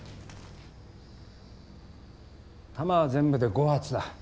弾は全部で５発だ。